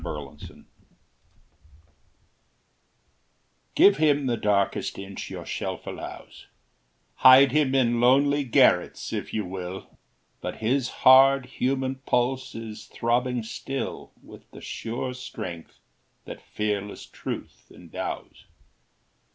George Crabbe Give him the darkest inch your shelf allows, Hide him in lonely garrets, if you will, But his hard, human pulse is throbbing still With the sure strength that fearless truth endows.